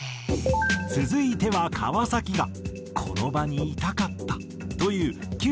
続いては川崎が「この場にいたかった」と言う９７年のライブ。